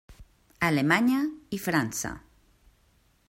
Alemanya i França.